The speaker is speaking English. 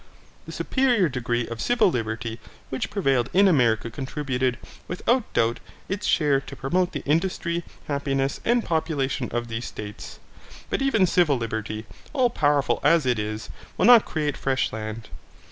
The superior degree of civil liberty which prevailed in America contributed, without doubt, its share to promote the industry, happiness, and population of these states, but even civil liberty, all powerful as it is, will not create fresh land.